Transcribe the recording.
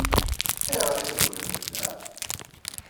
Ayɣer i tregglem fell-aɣ?